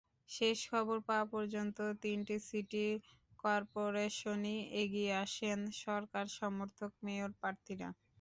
শেষ খবর পাওয়া পর্যন্ত তিনটি সিটি করপোরেশনেই এগিয়ে আছেন সরকার-সমর্থক মেয়র প্রার্থীরা।